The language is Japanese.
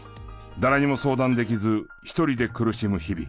誰にも相談できず一人で苦しむ日々。